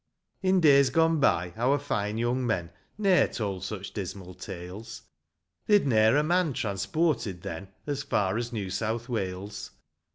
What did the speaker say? In days gone by our fine young men Ne'er told such dismal tales ; They'd ne'er a man transported then As far as New South Wales.